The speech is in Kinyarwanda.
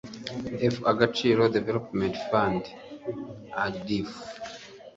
f agaciro development fund agdf